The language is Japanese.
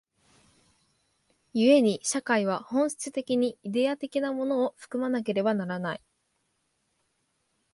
故に社会は本質的にイデヤ的なものを含まなければならない。